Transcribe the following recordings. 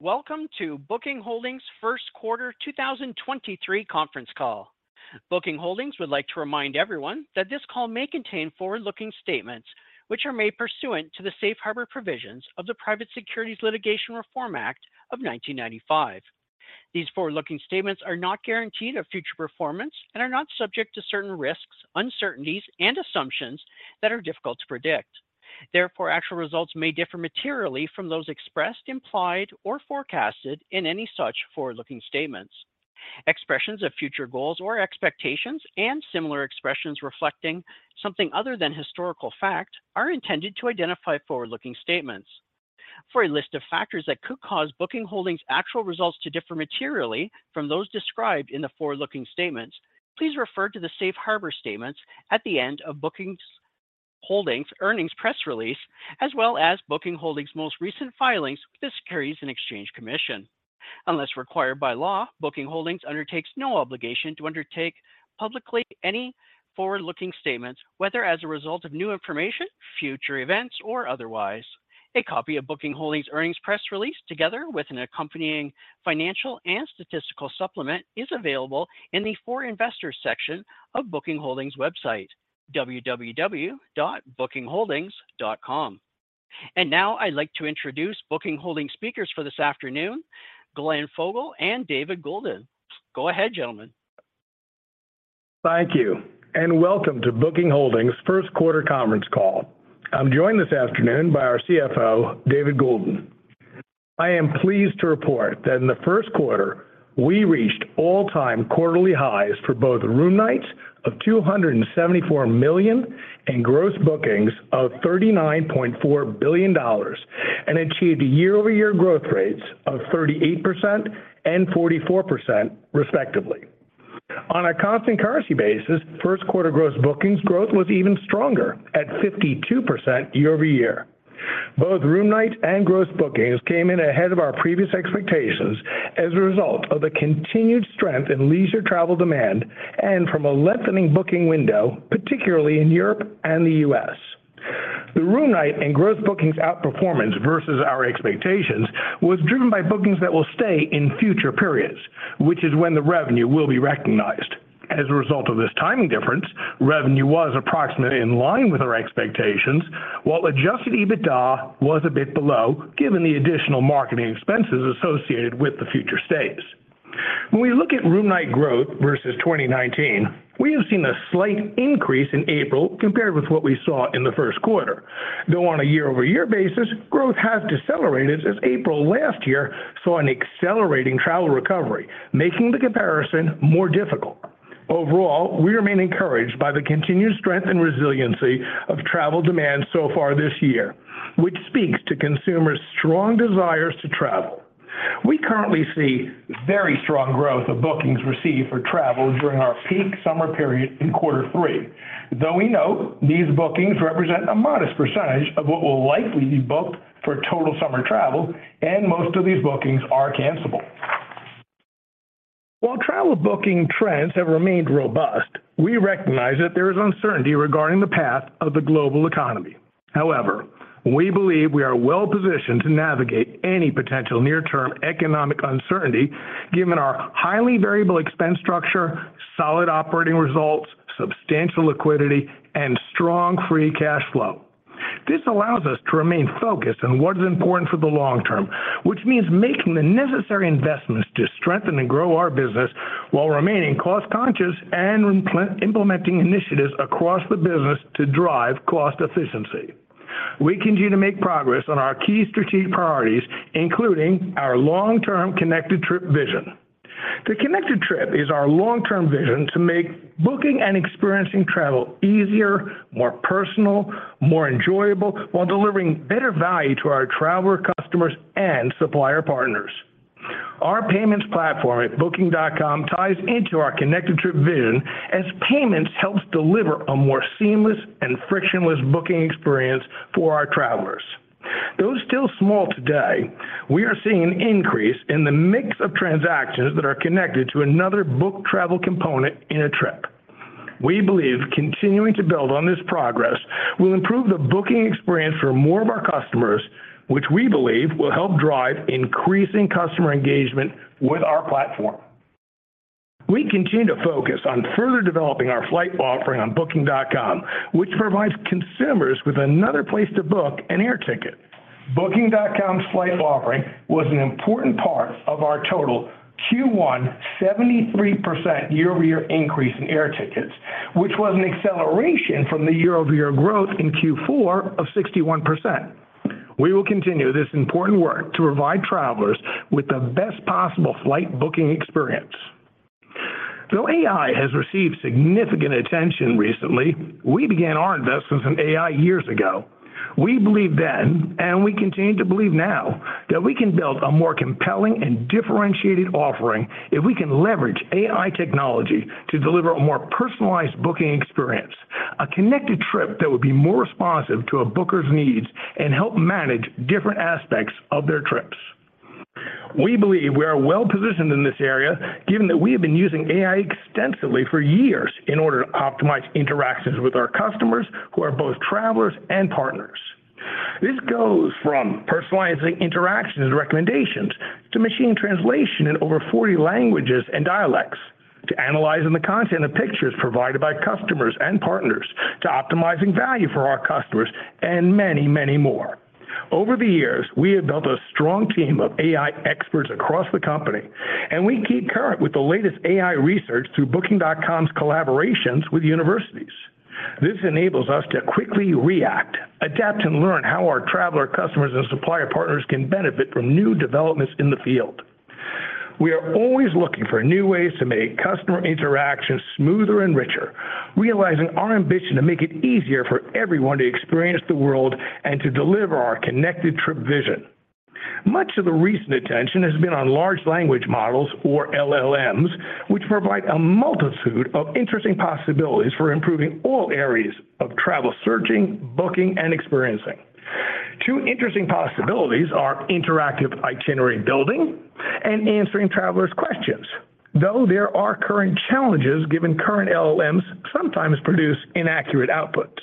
Welcome to Booking Holdings first quarter 2023 conference call. Booking Holdings would like to remind everyone that this call may contain forward-looking statements which are made pursuant to the safe harbor provisions of the Private Securities Litigation Reform Act of 1995. These forward-looking statements are not guaranteed of future performance and are not subject to certain risks, uncertainties, and assumptions that are difficult to predict. Therefore, actual results may differ materially from those expressed, implied, or forecasted in any such forward-looking statements. Expressions of future goals or expectations and similar expressions reflecting something other than historical fact are intended to identify forward-looking statements. For a list of factors that could cause Booking Holdings actual results to differ materially from those described in the forward-looking statements, please refer to the safe harbor statements at the end of Booking Holdings earnings press release, as well as Booking Holdings most recent filings with the Securities and Exchange Commission. Unless required by law, Booking Holdings undertakes no obligation to undertake publicly any forward-looking statements, whether as a result of new information, future events, or otherwise. A copy of Booking Holdings earnings press release, together with an accompanying financial and statistical supplement, is available in the For Investors section of Booking Holdings website, www.bookingholdings.com. Now I'd like to introduce Booking Holdings speakers for this afternoon, Glenn Fogel and David Goulden. Go ahead, gentlemen. Thank you, and welcome to Booking Holdings first quarter conference call. I'm joined this afternoon by our CFO, David Goulden. I am pleased to report that in the first quarter, we reached all-time quarterly highs for both room nights of 274 million and gross bookings of $39.4 billion and achieved year-over-year growth rates of 38% and 44% respectively. On a constant currency basis, first quarter gross bookings growth was even stronger at 52% year-over-year. Both room night and gross bookings came in ahead of our previous expectations as a result of the continued strength in leisure travel demand and from a lengthening booking window, particularly in Europe and the U.S. The room night and gross bookings outperformance versus our expectations was driven by bookings that will stay in future periods, which is when the revenue will be recognized. As a result of this timing difference, revenue was approximately in line with our expectations, while Adjusted EBITDA was a bit below, given the additional marketing expenses associated with the future stays. When we look at room night growth versus 2019, we have seen a slight increase in April compared with what we saw in the 1st quarter. Though on a year-over-year basis, growth has decelerated since April last year saw an accelerating travel recovery, making the comparison more difficult. Overall, we remain encouraged by the continued strength and resiliency of travel demand so far this year, which speaks to consumers' strong desires to travel. We currently see very strong growth of bookings received for travel during our peak summer period in quarter three, though we note these bookings represent a modest % of what will likely be booked for total summer travel, and most of these bookings are cancelable. While travel booking trends have remained robust, we recognize that there is uncertainty regarding the path of the global economy. We believe we are well-positioned to navigate any potential near-term economic uncertainty given our highly variable expense structure, solid operating results, substantial liquidity, and strong free cash flow. This allows us to remain focused on what is important for the long term, which means making the necessary investments to strengthen and grow our business while remaining cost-conscious and implementing initiatives across the business to drive cost efficiency. We continue to make progress on our key strategic priorities, including our long-term Connected Trip vision. The Connected Trip is our long-term vision to make booking and experiencing travel easier, more personal, more enjoyable, while delivering better value to our traveler customers and supplier partners. Our payments platform at Booking.com ties into our Connected Trip vision as payments helps deliver a more seamless and frictionless booking experience for our travelers. Though still small today, we are seeing an increase in the mix of transactions that are connected to another book travel component in a trip. We believe continuing to build on this progress will improve the booking experience for more of our customers, which we believe will help drive increasing customer engagement with our platform. We continue to focus on further developing our flight offering on Booking.com, which provides consumers with another place to book an air ticket. Booking.com's flight offering was an important part of our total Q1 73% year-over-year increase in air tickets, which was an acceleration from the year-over-year growth in Q4 of 61%. We will continue this important work to provide travelers with the best possible flight booking experience. Though AI has received significant attention recently, we began our investments in AI years ago. We believed then, and we continue to believe now that we can build a more compelling and differentiated offering if we can leverage AI technology to deliver a more personalized booking experience, a Connected Trip that would be more responsive to a booker's needs and help manage different aspects of their trips. We believe we are well-positioned in this area, given that we have been using AI extensively for years in order to optimize interactions with our customers, who are both travelers and partners. This goes from personalizing interactions and recommendations to machine translation in over 40 languages and dialects to analyzing the content of pictures provided by customers and partners to optimizing value for our customers and many, many more. Over the years, we have built a strong team of AI experts across the company, and we keep current with the latest AI research through Booking.com's collaborations with universities. This enables us to quickly react, adapt, and learn how our traveler customers and supplier partners can benefit from new developments in the field. We are always looking for new ways to make customer interactions smoother and richer, realizing our ambition to make it easier for everyone to experience the world and to deliver our Connected Trip vision. Much of the recent attention has been on Large Language Models or LLMs, which provide a multitude of interesting possibilities for improving all areas of travel searching, booking, and experiencing. Two interesting possibilities are interactive itinerary building and answering travelers' questions. There are current challenges given current LLMs sometimes produce inaccurate outputs.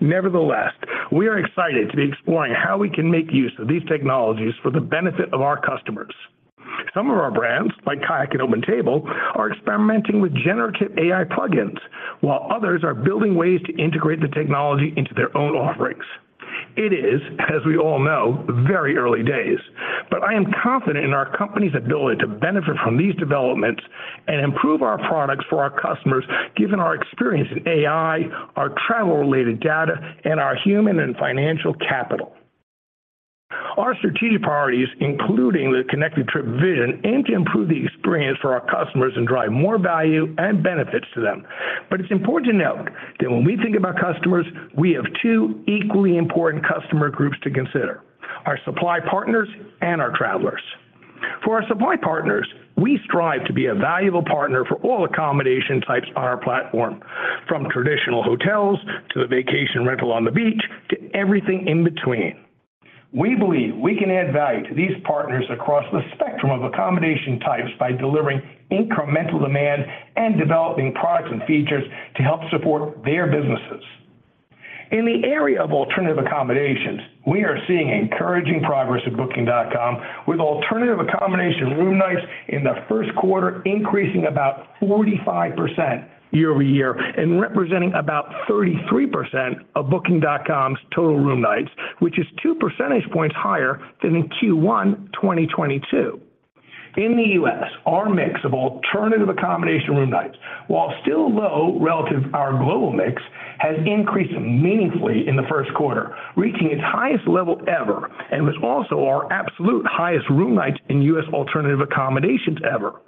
Nevertheless, we are excited to be exploring how we can make use of these technologies for the benefit of our customers. Some of our brands, like KAYAK and OpenTable, are experimenting with generative AI plugins while others are building ways to integrate the technology into their own offerings. It is, as we all know, very early days, but I am confident in our company's ability to benefit from these developments and improve our products for our customers, given our experience in AI, our travel-related data, and our human and financial capital. Our strategic priorities, including the Connected Trip vision, aim to improve the experience for our customers and drive more value and benefits to them. It's important to note that when we think about customers, we have two equally important customer groups to consider: our supply partners and our travelers. For our supply partners, we strive to be a valuable partner for all accommodation types on our platform, from traditional hotels to the vacation rental on the beach to everything in between. We believe we can add value to these partners across the spectrum of accommodation types by delivering incremental demand and developing products and features to help support their businesses. In the area of alternative accommodations, we are seeing encouraging progress at Booking.com, with alternative accommodation room nights in the first quarter increasing about 45% year-over-year and representing about 33% of Booking.com's total room nights, which is 2 percentage points higher than in Q1 2022. In the US, our mix of alternative accommodation room nights, while still low relative to our global mix, has increased meaningfully in the first quarter, reaching its highest level ever and was also our absolute highest room nights in US alternative accommodations ever.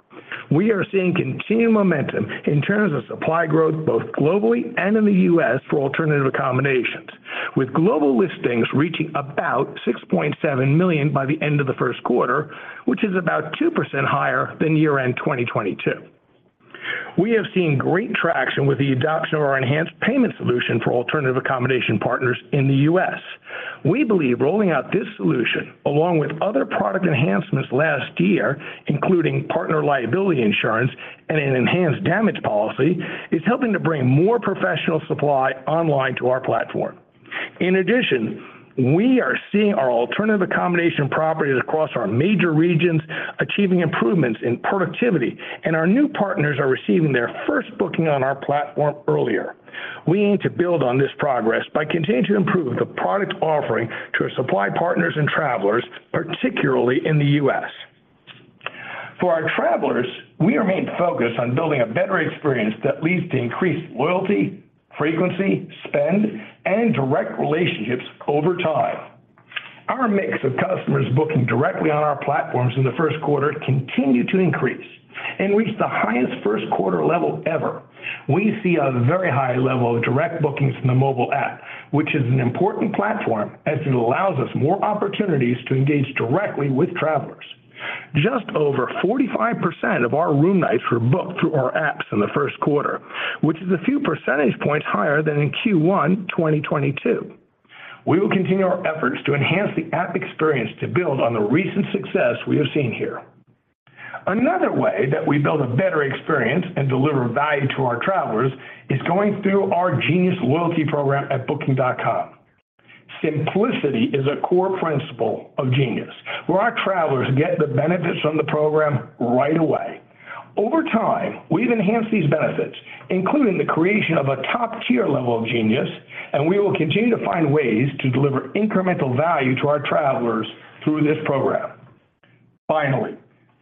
We are seeing continued momentum in terms of supply growth both globally and in the U.S. for alternative accommodations, with global listings reaching about 6.7 million by the end of the first quarter, which is about 2% higher than year-end 2022. We have seen great traction with the adoption of our enhanced payment solution for alternative accommodation partners in the U.S. We believe rolling out this solution, along with other product enhancements last year, including partner liability insurance and an enhanced damage policy, is helping to bring more professional supply online to our platform. In addition, we are seeing our alternative accommodation properties across our major regions achieving improvements in productivity, and our new partners are receiving their first booking on our platform earlier. We aim to build on this progress by continuing to improve the product offering to our supply partners and travelers, particularly in the US. For our travelers, we remain focused on building a better experience that leads to increased loyalty, frequency, spend, and direct relationships over time. Our mix of customers booking directly on our platforms in the first quarter continued to increase and reached the highest first quarter level ever. We see a very high level of direct bookings from the mobile app, which is an important platform as it allows us more opportunities to engage directly with travelers. Just over 45% of our room nights were booked through our apps in the first quarter, which is a few percentage points higher than in Q1 2022. We will continue our efforts to enhance the app experience to build on the recent success we have seen here. Another way that we build a better experience and deliver value to our travelers is going through our Genius loyalty program at Booking.com. Simplicity is a core principle of Genius, where our travelers get the benefits from the program right away. Over time, we've enhanced these benefits, including the creation of a top-tier level of Genius, and we will continue to find ways to deliver incremental value to our travelers through this program. Finally,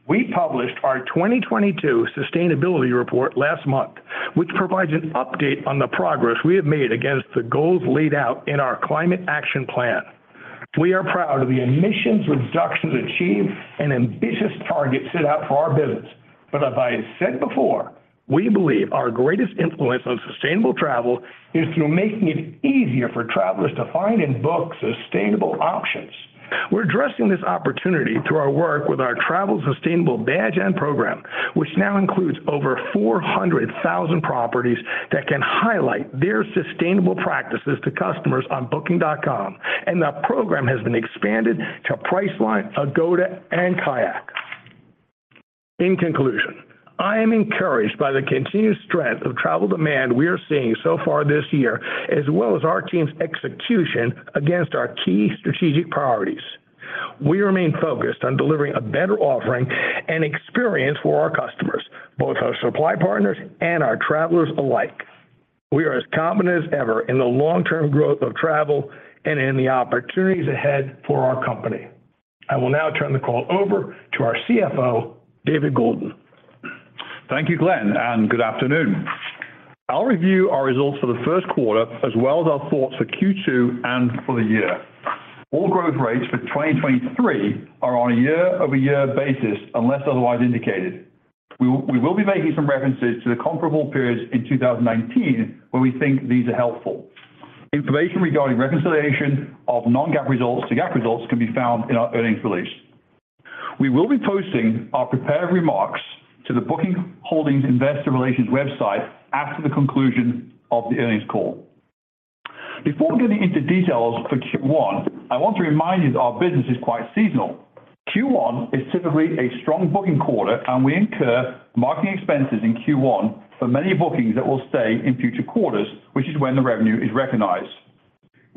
we published our 2022 sustainability report last month, which provides an update on the progress we have made against the goals laid out in our Climate Action Plan. We are proud of the emissions reductions achieved and ambitious targets set out for our business. As I have said before, we believe our greatest influence on sustainable travel is through making it easier for travelers to find and book sustainable options. We're addressing this opportunity through our work with our Travel Sustainable badge and program, which now includes over 400,000 properties that can highlight their sustainable practices to customers on Booking.com. The program has been expanded to Priceline, Agoda, and KAYAK. In conclusion, I am encouraged by the continued strength of travel demand we are seeing so far this year, as well as our team's execution against our key strategic priorities. We remain focused on delivering a better offering and experience for our customers, both our supply partners and our travelers alike. We are as confident as ever in the long-term growth of travel and in the opportunities ahead for our company. I will now turn the call over to our CFO, David Goulden. Thank you, Glenn. Good afternoon. I'll review our results for the first quarter as well as our thoughts for Q2 and for the year. All growth rates for 2023 are on a year-over-year basis, unless otherwise indicated. We will be making some references to the comparable periods in 2019 where we think these are helpful. Information regarding reconciliation of non-GAAP results to GAAP results can be found in our earnings release. We will be posting our prepared remarks to the Booking Holdings Investor Relations website after the conclusion of the earnings call. Before getting into details for Q1, I want to remind you that our business is quite seasonal. Q1 is typically a strong booking quarter, and we incur marketing expenses in Q1 for many bookings that will stay in future quarters, which is when the revenue is recognized.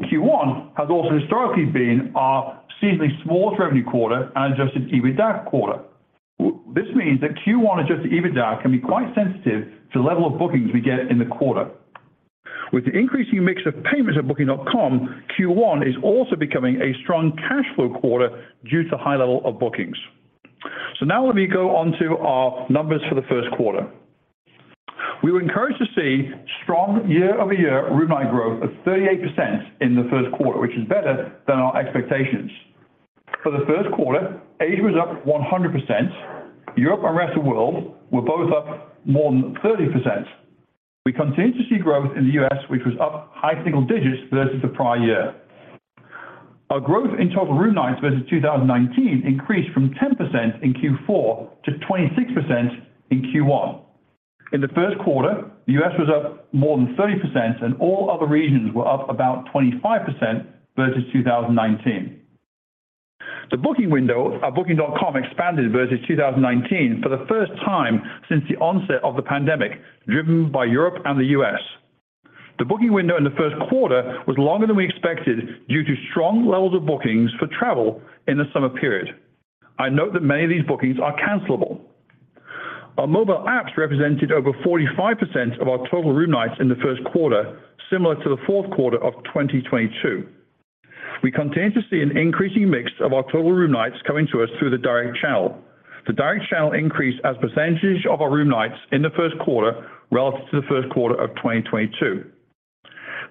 Q1 has also historically been our seasonally smallest revenue quarter and Adjusted EBITDA quarter. This means that Q1 Adjusted EBITDA can be quite sensitive to the level of bookings we get in the quarter. With the increasing mix of payments at Booking.com, Q1 is also becoming a strong cash flow quarter due to high level of bookings. Now let me go on to our numbers for the first quarter. We were encouraged to see strong year-over-year room night growth of 38% in the first quarter, which is better than our expectations. For the first quarter, Asia was up 100%. Europe and Rest of World were both up more than 30%. We continue to see growth in the U.S., which was up high single digits versus the prior year. Our growth in total room nights versus 2019 increased from 10% in Q4 to 26% in Q1. In the first quarter, the U.S. was up more than 30% and all other regions were up about 25% versus 2019. The booking window at Booking.com expanded versus 2019 for the first time since the onset of the pandemic, driven by Europe and the U.S. The booking window in the first quarter was longer than we expected due to strong levels of bookings for travel in the summer period. I note that many of these bookings are cancelable. Our mobile apps represented over 45% of our total room nights in the first quarter, similar to the fourth quarter of 2022. We continue to see an increasing mix of our total room nights coming to us through the direct channel. The direct channel increased as percentage of our room nights in the first quarter relative to the first quarter of 2022.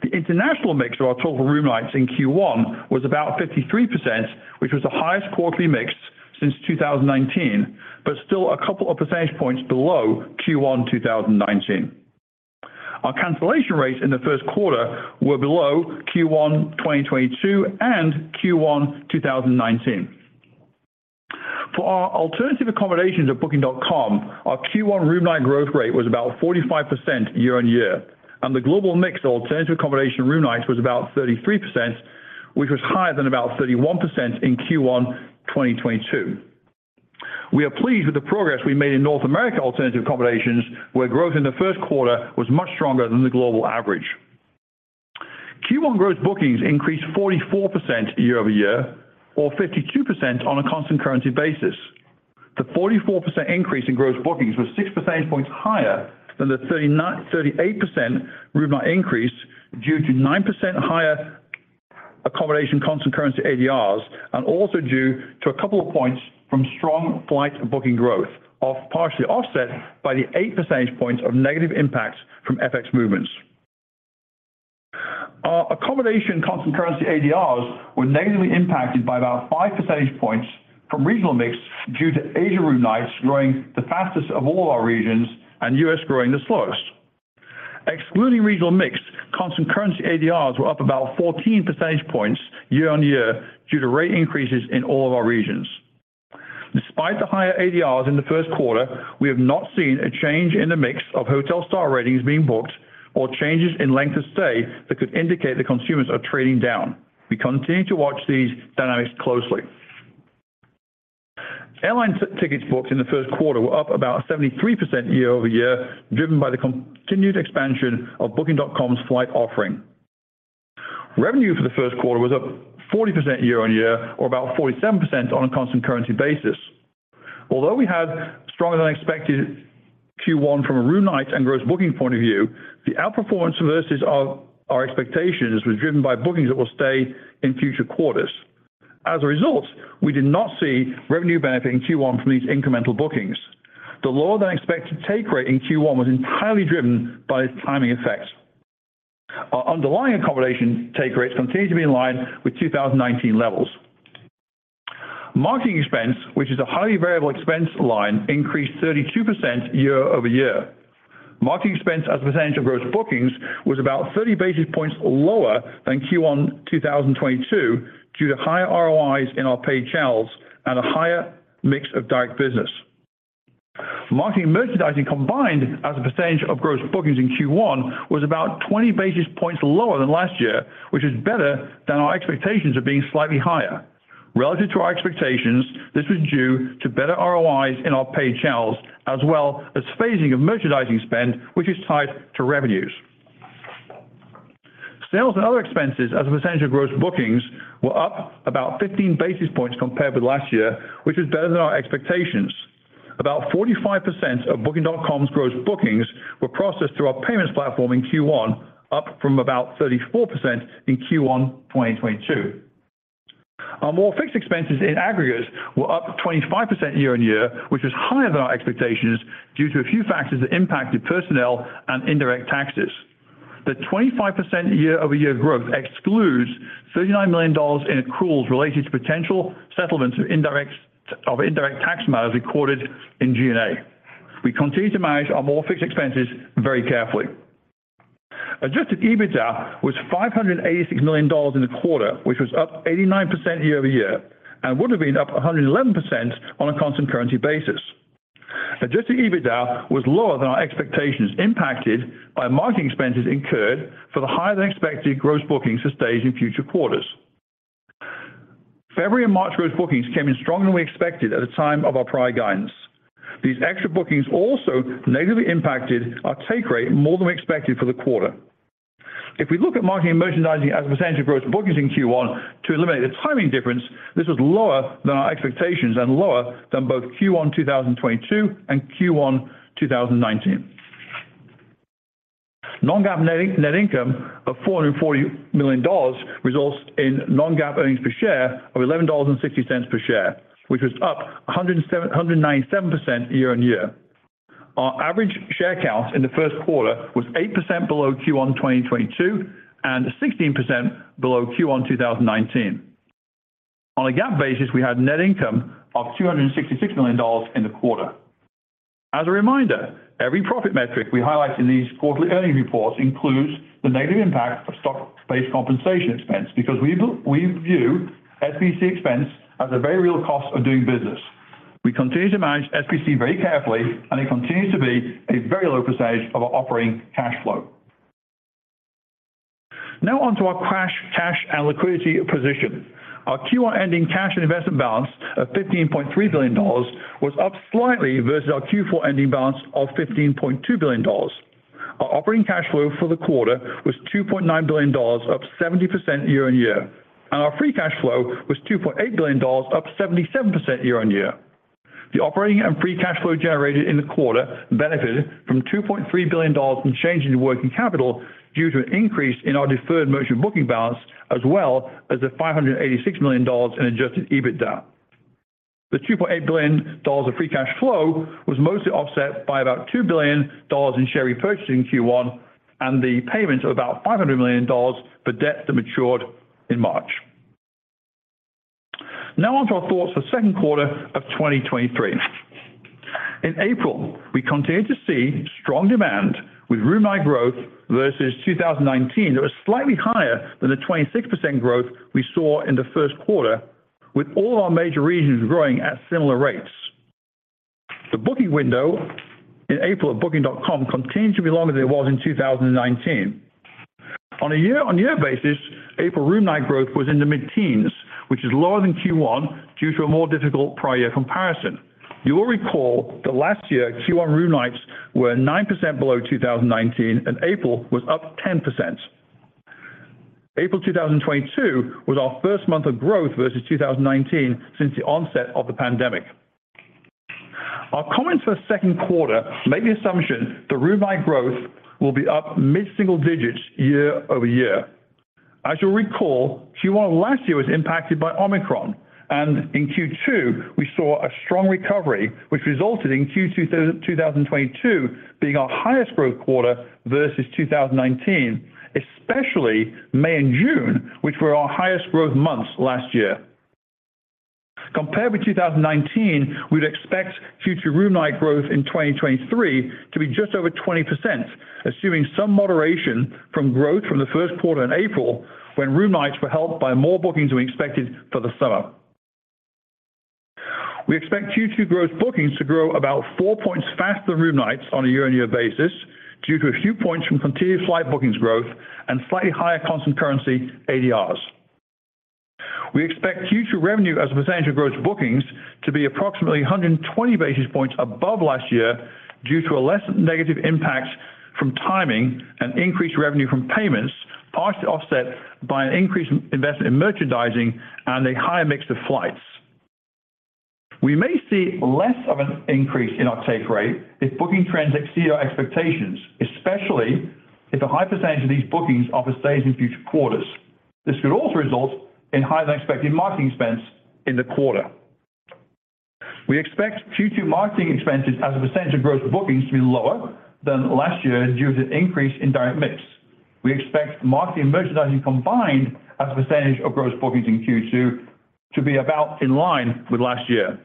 The international mix of our total room nights in Q1 was about 53%, which was the highest quarterly mix since 2019, but still a couple of percentage points below Q1 2019. Our cancellation rates in the first quarter were below Q1 2022 and Q1 2019. For our alternative accommodations at Booking.com, our Q1 room night growth rate was about 45% year-on-year, and the global mix alternative accommodation room nights was about 33%, which was higher than about 31% in Q1 2022. We are pleased with the progress we made in North America alternative accommodations, where growth in the first quarter was much stronger than the global average. Q1 gross bookings increased 44% year-over-year or 52% on a constant currency basis. The 44% increase in gross bookings was 6 percentage points higher than the 38% room night increase due to 9% higher accommodation constant currency ADRs and also due to a couple of points from strong flight booking growth, partially offset by the 8 percentage points of negative impact from FX movements. Our accommodation constant currency ADRs were negatively impacted by about 5 percentage points from regional mix due to Asia room nights growing the fastest of all our regions and U.S. growing the slowest. Excluding regional mix, constant currency ADRs were up about 14 percentage points year-on-year due to rate increases in all of our regions. Despite the higher ADRs in the first quarter, we have not seen a change in the mix of hotel star ratings being booked or changes in length of stay that could indicate that consumers are trading down. We continue to watch these dynamics closely. Airline tickets booked in the first quarter were up about 73% year-over-year, driven by the continued expansion of Booking.com's flight offering. Revenue for the first quarter was up 40% year-on-year or about 47% on a constant currency basis. Although we had stronger than expected Q1 from a room night and gross booking point of view, the outperformance versus our expectations was driven by bookings that will stay in future quarters. As a result, we did not see revenue benefit in Q1 from these incremental bookings. The lower than expected take rate in Q1 was entirely driven by this timing effect. Our underlying accommodation take rates continue to be in line with 2019 levels. Marketing expense, which is a highly variable expense line, increased 32% year-over-year. Marketing expense as a percentage of gross bookings was about 30 basis points lower than Q1 2022 due to higher ROIs in our paid channels and a higher mix of direct business. Marketing and merchandising combined as a percentage of gross bookings in Q1 was about 20 basis points lower than last year, which is better than our expectations of being slightly higher. Relative to our expectations, this was due to better ROIs in our paid channels, as well as phasing of merchandising spend, which is tied to revenues. Sales and other expenses as a percentage of gross bookings were up about 15 basis points compared with last year, which is better than our expectations. About 45% of Booking.com's gross bookings were processed through our payments platform in Q1, up from about 34% in Q1, 2022. Our more fixed expenses in aggregate were up 25% year-on-year, which was higher than our expectations due to a few factors that impacted personnel and indirect taxes. The 25% year-over-year growth excludes $39 million in accruals related to potential settlements of indirect tax matters recorded in G&A. We continue to manage our more fixed expenses very carefully. Adjusted EBITDA was $586 million in the quarter, which was up 89% year-over-year, and would have been up 111% on a constant currency basis. Adjusted EBITDA was lower than our expectations, impacted by marketing expenses incurred for the higher-than-expected gross bookings to stage in future quarters. February and March gross bookings came in stronger than we expected at the time of our prior guidance. These extra bookings also negatively impacted our take rate more than we expected for the quarter. If we look at marketing and merchandising as a percentage of gross bookings in Q1 to eliminate the timing difference, this was lower than our expectations and lower than both Q1 2022 and Q1 2019. Non-GAAP net income of $440 million results in non-GAAP earnings per share of $11.60 per share, which was up 197% year-on-year. Our average share count in the first quarter was 8% below Q1 2022, and 16% below Q1 2019. On a GAAP basis, we had net income of $266 million in the quarter. As a reminder, every profit metric we highlight in these quarterly earnings reports includes the negative impact of stock-based compensation expense because we view SBC expense as a very real cost of doing business. We continue to manage SBC very carefully, and it continues to be a very low percentage of our operating cash flow. On to our cash and liquidity position. Our Q1 ending cash and investment balance of $15.3 billion was up slightly versus our Q4 ending balance of $15.2 billion. Our operating cash flow for the quarter was $2.9 billion, up 70% year-on-year. Our free cash flow was $2.8 billion, up 77% year-on-year. The operating and free cash flow generated in the quarter benefited from $2.3 billion from changes in working capital due to an increase in our deferred merchant booking balance as well as the $586 million in Adjusted EBITDA. The $2.8 billion of free cash flow was mostly offset by about $2 billion in share repurchase in Q1 and the payment of about $500 million for debts that matured in March. On to our thoughts for the second quarter of 2023. In April, we continued to see strong demand with room night growth versus 2019 that was slightly higher than the 26% growth we saw in the first quarter, with all our major regions growing at similar rates. The booking window in April at Booking.com continued to be longer than it was in 2019. On a year-on-year basis, April room night growth was in the mid-teens, which is lower than Q1 due to a more difficult prior comparison. You will recall that last year, Q1 room nights were 9% below 2019 and April was up 10%. April 2022 was our first month of growth versus 2019 since the onset of the pandemic. Our comments for the second quarter make the assumption that room night growth will be up mid-single digits year-over-year. As you'll recall, Q1 of last year was impacted by Omicron. In Q2, we saw a strong recovery, which resulted in Q2 2022 being our highest growth quarter versus 2019, especially May and June, which were our highest growth months last year. Compared with 2019, we'd expect future room night growth in 2023 to be just over 20%, assuming some moderation from growth from the first quarter in April, when room nights were helped by more bookings we expected for the summer. We expect Q2 growth bookings to grow about four points faster than room nights on a year-on-year basis due to a few points from continued flight bookings growth and slightly higher constant currency ADRs. We expect Q2 revenue as a percentage of gross bookings to be approximately 120 basis points above last year due to a less negative impact from timing and increased revenue from payments, partially offset by an increase in investment in merchandising and a higher mix of flights. We may see less of an increase in our take rate if booking trends exceed our expectations, especially if a high percentage of these bookings are for stays in future quarters. This could also result in higher-than-expected marketing expense in the quarter. We expect Q2 marketing expenses as a percentage of gross bookings to be lower than last year due to the increase in direct mix. We expect marketing and merchandising combined as a percentage of gross bookings in Q2 to be about in line with last year.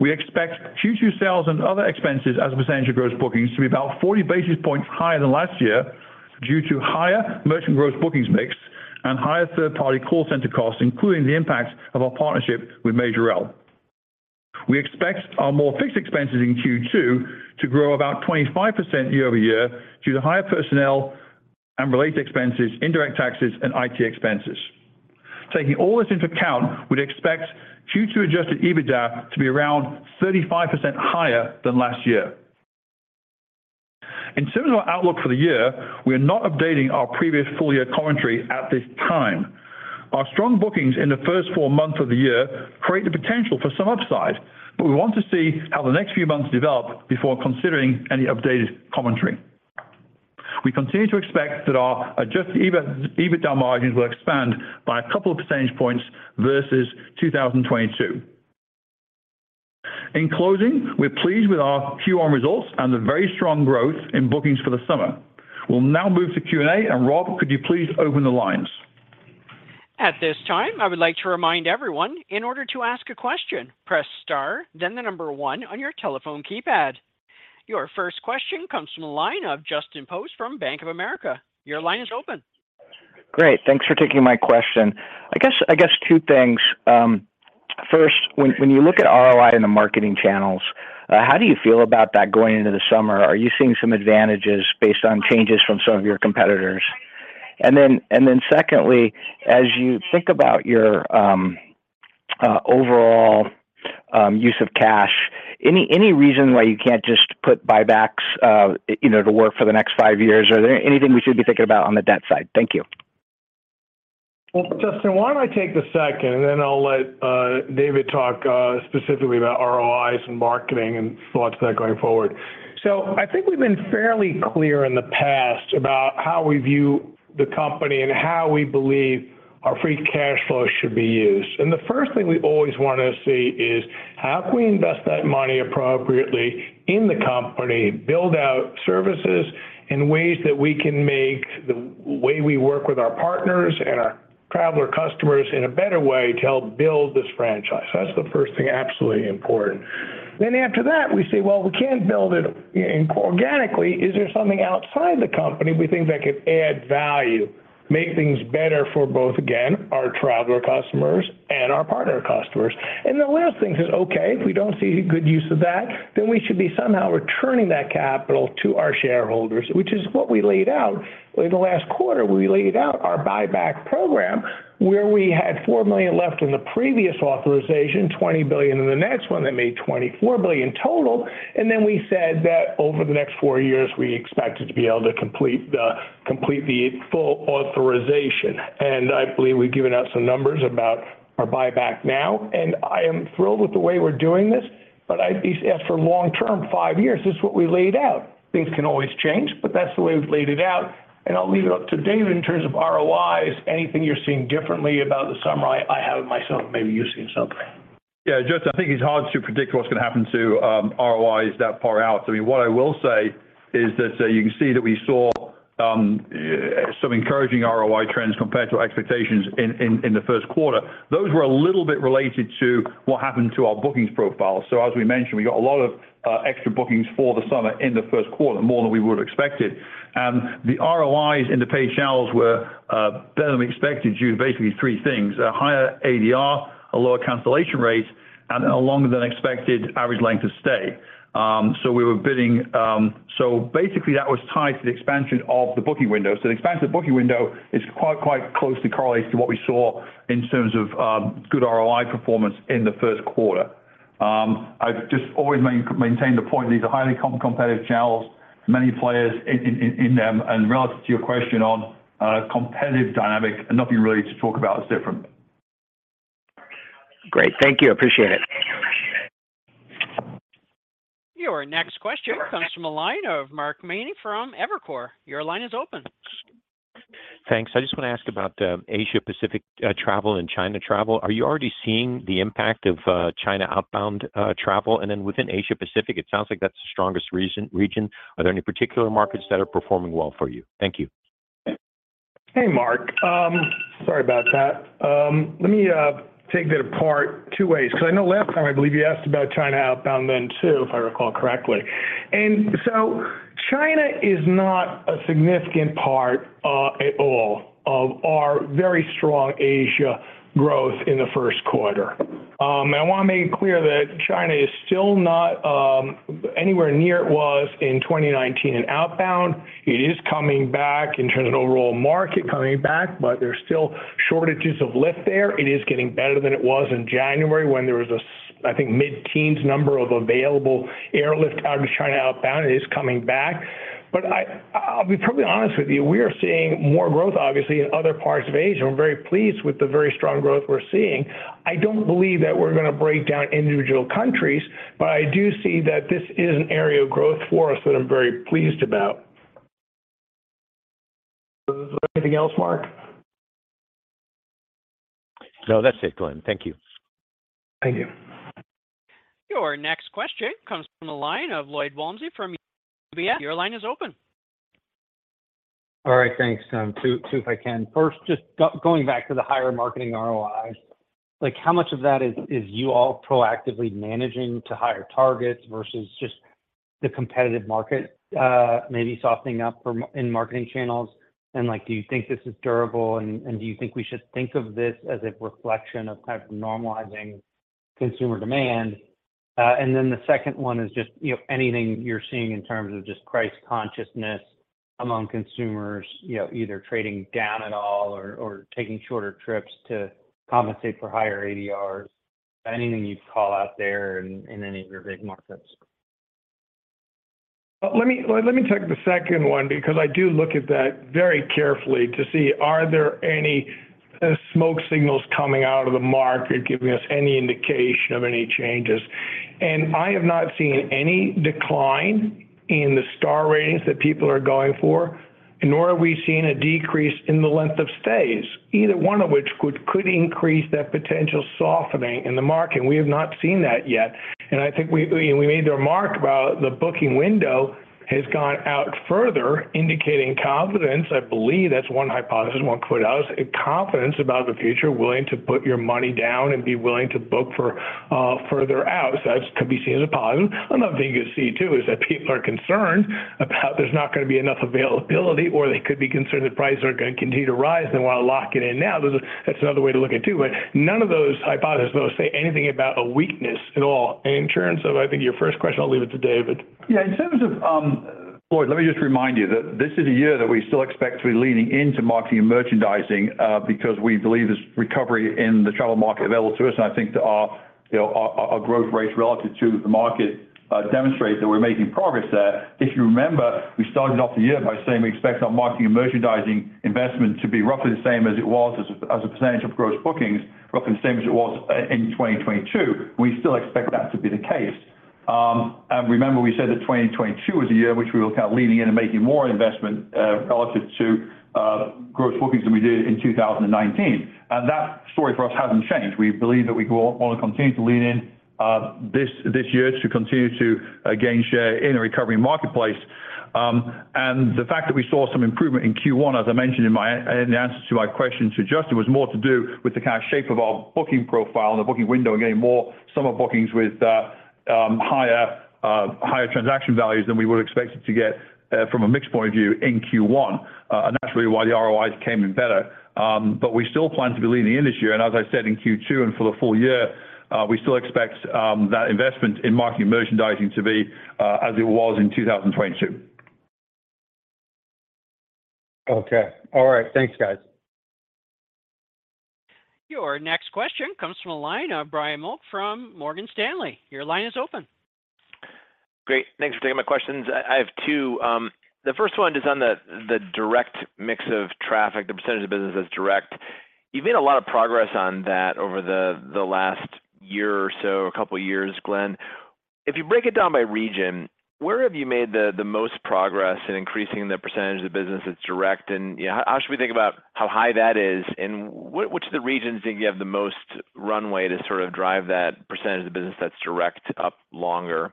We expect Q2 sales and other expenses as a percentage of gross bookings to be about 40 basis points higher than last year due to higher merchant gross bookings mix. Higher third-party call center costs, including the impact of our partnership with Majorel. We expect our more fixed expenses in Q2 to grow about 25% year-over-year due to higher personnel and related expenses, indirect taxes, and IT expenses. Taking all this into account, we'd expect Q2 Adjusted EBITDA to be around 35% higher than last year. In terms of our outlook for the year, we are not updating our previous full year commentary at this time. Our strong bookings in the first four months of the year create the potential for some upside. We want to see how the next few months develop before considering any updated commentary. We continue to expect that our Adjusted EBITDA margins will expand by a couple of percentage points versus 2022. In closing, we're pleased with our Q1 results and the very strong growth in bookings for the summer. We'll now move to Q&A, and Rob, could you please open the lines? At this time, I would like to remind everyone, in order to ask a question, press star then 1 on your telephone keypad. Your first question comes from the line of Justin Post from Bank of America. Your line is open. Great. Thanks for taking my question. I guess two things. First, when you look at ROI in the marketing channels, how do you feel about that going into the summer? Are you seeing some advantages based on changes from some of your competitors? Secondly, as you think about your overall use of cash, any reason why you can't just put buybacks, you know, to work for the next five years? Are there anything we should be thinking about on the debt side? Thank you. Well, Justin, why don't I take the second, and then I'll let David talk specifically about ROI and marketing and thoughts there going forward. I think we've been fairly clear in the past about how we view the company and how we believe our free cash flow should be used. The first thing we always wanna see is how can we invest that money appropriately in the company, build out services in ways that we can make the way we work with our partners and our traveler customers in a better way to help build this franchise. That's the first thing, absolutely important. After that, we say, "Well, we can't build it inorganically. Is there something outside the company we think that could add value, make things better for both, again, our traveler customers and our partner customers? The last thing is, okay, if we don't see good use of that, then we should be somehow returning that capital to our shareholders, which is what we laid out. In the last quarter, we laid out our buyback program where we had $4 million left in the previous authorization, $20 billion in the next one, that made $24 billion total. We said that over the next 4 years, we expected to be able to complete the full authorization. I believe we've given out some numbers about our buyback now, and I am thrilled with the way we're doing this. As for long term, 5 years, this is what we laid out. Things can always change, that's the way we've laid it out. I'll leave it up to David in terms of ROIs, anything you're seeing differently about the summer. I haven't myself. Maybe you've seen something. Yeah, Justin, I think it's hard to predict what's gonna happen to ROIs that far out. I mean, what I will say is that you can see that we saw some encouraging ROI trends compared to our expectations in the first quarter. Those were a little bit related to what happened to our bookings profile. As we mentioned, we got a lot of extra bookings for the summer in the first quarter, more than we would've expected. The ROIs in the paid channels were better than we expected due to basically three things: a higher ADR, a lower cancellation rate, and a longer than expected average length of stay. Basically that was tied to the expansion of the booking window. The expansion of the booking window is quite closely correlates to what we saw in terms of good ROI performance in the first quarter. I've just always maintained the point, these are highly competitive channels, many players in them. Relative to your question on competitive dynamics, nothing really to talk about that's different. Great. Thank you. Appreciate it. Your next question comes from the line of Mark Mahaney from Evercore. Your line is open. Thanks. I just wanna ask about Asia Pacific travel and China travel. Are you already seeing the impact of China outbound travel? Within Asia Pacific, it sounds like that's the strongest region. Are there any particular markets that are performing well for you? Thank you. Hey, Mark. Sorry about that. Let me take that apart two ways, 'cause I know last time, I believe you asked about China outbound then too, if I recall correctly. China is not a significant part at all of our very strong Asia growth in the first quarter. I wanna make it clear that China is still not anywhere near it was in 2019 in outbound. It is coming back in terms of the overall market coming back, but there's still shortages of lift there. It is getting better than it was in January when there was I think mid-teens number of available airlift out of China outbound. It is coming back. I'll be perfectly honest with you, we are seeing more growth, obviously, in other parts of Asia. We're very pleased with the very strong growth we're seeing. I don't believe that we're gonna break down individual countries, but I do see that this is an area of growth for us that I'm very pleased about. Anything else, Mark? No, that's it, Glenn. Thank you. Thank you. Your next question comes from the line of Lloyd Walmsley from UBS. Your line is open. All right. Thanks. two if I can. First, just going back to the higher marketing ROI, like how much of that is you all proactively managing to higher targets versus just? The competitive market, maybe softening up for in marketing channels and, like, do you think this is durable and, do you think we should think of this as a reflection of kind of normalizing consumer demand? The second one is just, you know, anything you're seeing in terms of just price consciousness among consumers, you know, either trading down at all or taking shorter trips to compensate for higher ADR. Anything you'd call out there in any of your big markets? Let me take the second one because I do look at that very carefully to see are there any smoke signals coming out of the market giving us any indication of any changes. I have not seen any decline in the star ratings that people are going for, nor have we seen a decrease in the length of stays, either one of which could increase that potential softening in the market, and we have not seen that yet. I think we made the remark about the booking window has gone out further, indicating confidence. I believe that's one hypothesis one could house. A confidence about the future, willing to put your money down and be willing to book for further out. That could be seen as a positive. Another thing you could see too is that people are concerned about there's not gonna be enough availability, or they could be concerned that prices are gonna continue to rise and wanna lock it in now. That's another way to look at it too. None of those hypotheses though say anything about a weakness at all. In terms of, I think, your first question, I'll leave it to David. Yeah, in terms of Lloyd, let me just remind you that this is a year that we still expect to be leaning into marketing and merchandising because we believe this recovery in the travel market available to us, and I think our, you know, our growth rate relative to the market demonstrates that we're making progress there. If you remember, we started off the year by saying we expect our marketing and merchandising investment to be roughly the same as it was as a percentage of gross bookings, roughly the same as it was in 2022. We still expect that to be the case. Remember we said that 2022 was a year which we were kind of leaning in and making more investment relative to gross bookings than we did in 2019. That story for us hasn't changed. We believe that we wanna continue to lean in, this year to continue to gain share in a recovery marketplace. The fact that we saw some improvement in Q1, as I mentioned in the answer to my question to Justin, was more to do with the kind of shape of our booking profile and the booking window and getting more summer bookings with higher transaction values than we would expected to get, from a mix point of view in Q1. That's really why the ROIs came in better. We still plan to be leaning in this year. As I said, in Q2 and for the full year, we still expect that investment in marketing and merchandising to be as it was in 2022. Okay. All right. Thanks, guys. Your next question comes from the line of Brian Nowak from Morgan Stanley. Your line is open. Great. Thanks for taking my questions. I have two. The first one is on the direct mix of traffic, the percentage of business that's direct. You've made a lot of progress on that over the last year or so, a couple years, Glenn. If you break it down by region, where have you made the most progress in increasing the percentage of the business that's direct? You know, how should we think about how high that is? Which of the regions do you have the most runway to sort of drive that percentage of the business that's direct up longer?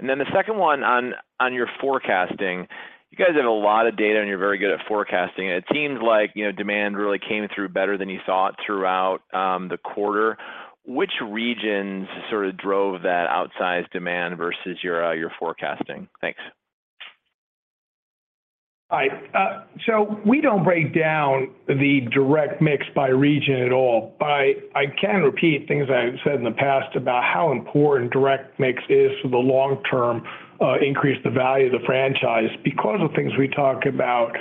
The second one on your forecasting. You guys have a lot of data, and you're very good at forecasting. It seems like, you know, demand really came through better than you thought throughout the quarter. Which regions sort of drove that outsized demand versus your forecasting? Thanks. All right. We don't break down the direct mix by region at all. I can repeat things I've said in the past about how important direct mix is for the long term, increase the value of the franchise. Because of things we talk about with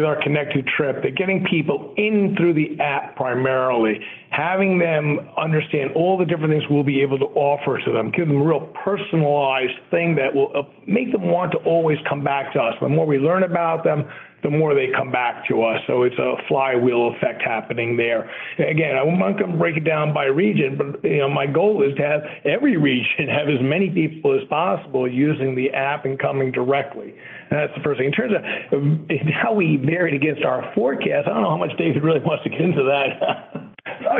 our Connected Trip, that getting people in through the app primarily, having them understand all the different things we'll be able to offer to them, give them a real personalized thing that will make them want to always come back to us. The more we learn about them, the more they come back to us. It's a flywheel effect happening there. Again, I'm not gonna break it down by region, but, you know, my goal is to have every region have as many people as possible using the app and coming directly. That's the first thing. In terms of how we varied against our forecast, I don't know how much David really wants to get into that.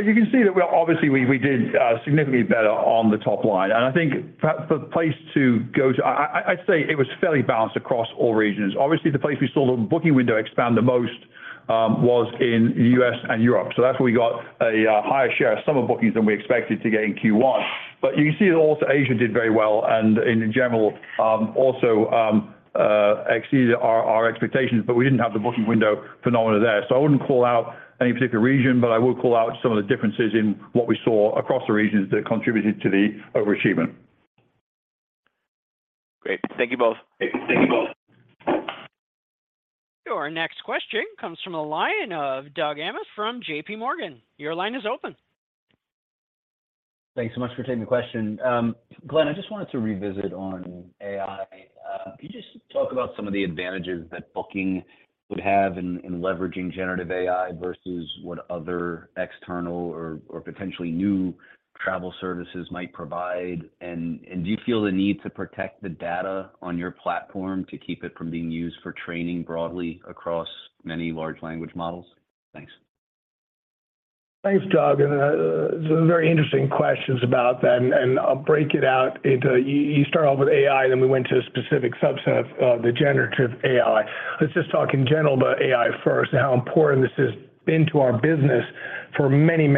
You can see that we're obviously we did significantly better on the top line. I think per place to go to I'd say it was fairly balanced across all regions. Obviously, the place we saw the booking window expand the most was in U.S. and Europe. That's where we got a higher share of summer bookings than we expected to get in Q1. You can see that also Asia did very well, and in general, also exceeded our expectations, but we didn't have the booking window phenomena there. I wouldn't call out any particular region, but I will call out some of the differences in what we saw across the regions that contributed to the overachievement. Great. Thank you both. Thank you both. Our next question comes from the line of Doug Anmuth from JPMorgan. Your line is open. Thanks so much for taking the question. Glenn, I just wanted to revisit on AI. Can you just talk about some of the advantages that Booking would have in leveraging generative AI versus what other external or potentially new travel services might provide? Do you feel the need to protect the data on your platform to keep it from being used for training broadly across many Large Language Models? Thanks. Thanks, Doug. Those are very interesting questions about that, and I'll break it out into... You start off with AI. We went to a specific subset of the generative AI. Let's just talk in general about AI first and how important this has been to our business. For many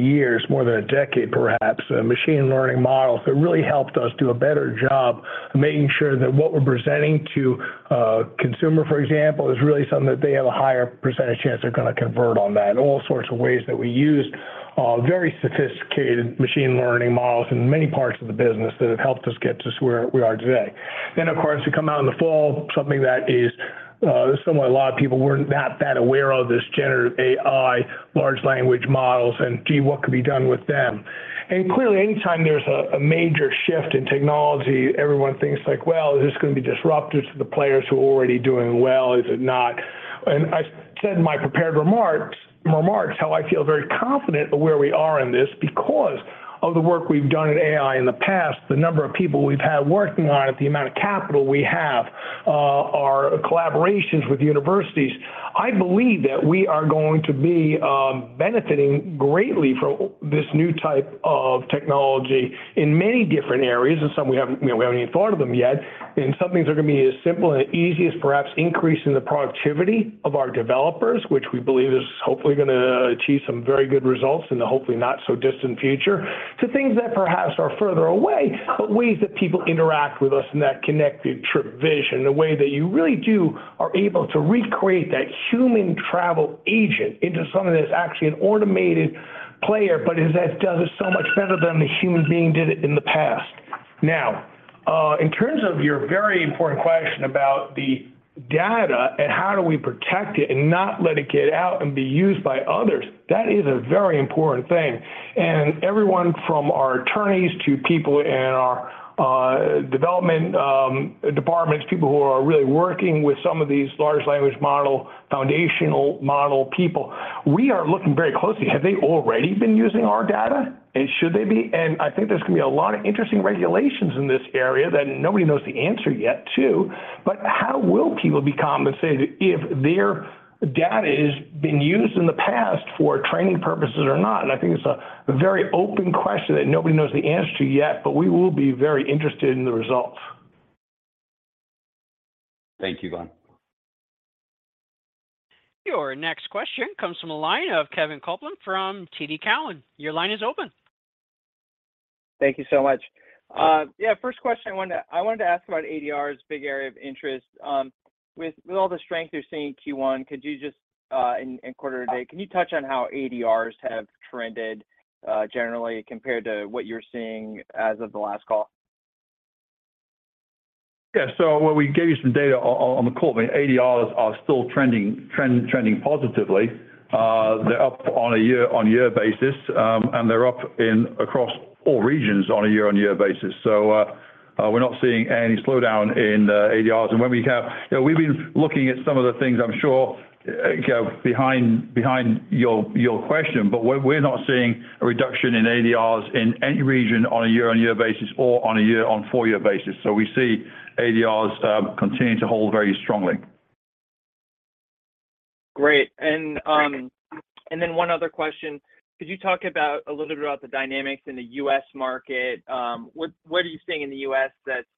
years, more than a decade perhaps, machine learning models have really helped us do a better job making sure that what we're presenting to a consumer, for example, is really something that they have a higher percentage chance they're gonna convert on that. All sorts of ways that we use, very sophisticated machine learning models in many parts of the business that have helped us get to where we are today. Of course, we come out in the fall, something that is somewhat a lot of people weren't that aware of, this generative AI, Large Language Models and gee, what could be done with them? Clearly anytime there's a major shift in technology, everyone thinks like, "Well, is this gonna be disruptive to the players who are already doing well? Is it not?" I said in my prepared remarks how I feel very confident of where we are in this because of the work we've done in AI in the past, the number of people we've had working on it, the amount of capital we have, our collaborations with universities. I believe that we are going to be benefiting greatly from this new type of technology in many different areas, and some we haven't, you know, we haven't even thought of them yet. Some things are gonna be as simple and easy as perhaps increasing the productivity of our developers, which we believe is hopefully gonna achieve some very good results in the hopefully not so distant future, to things that perhaps are further away, but ways that people interact with us in that Connected Trip vision. The way that you really are able to recreate that human travel agent into something that's actually an automated player, but that does it so much better than the human being did it in the past. Now, in terms of your very important question about the data and how do we protect it and not let it get out and be used by others, that is a very important thing. Everyone from our attorneys to people in our development departments, people who are really working with some of these Large Language Model, foundational model people, we are looking very closely. Have they already been using our data, and should they be? I think there's gonna be a lot of interesting regulations in this area that nobody knows the answer yet to, but how will people be compensated if their data has been used in the past for training purposes or not? I think it's a very open question that nobody knows the answer to yet, but we will be very interested in the results. Thank you, Glenn. Your next question comes from the line of Kevin Kopelman from TD Cowen. Your line is open. Thank you so much. Yeah, first question I wanted to ask about ADRs big area of interest. With all the strength you're seeing in Q1, could you just in quarter to date, can you touch on how ADRs have trended generally compared to what you're seeing as of the last call? Yeah. Well, we gave you some data on the call. ADRs are still trending positively. They're up on a year-on-year basis, and they're up in across all regions on a year-on-year basis. We're not seeing any slowdown in ADRs. You know, we've been looking at some of the things I'm sure go behind your question, but we're not seeing a reduction in ADRs in any region on a year-on-year basis or on a year-on-four-year basis. We see ADRs continuing to hold very strongly. Great. One other question. Could you talk about a little bit about the dynamics in the U.S. market? What are you seeing in the U.S. that's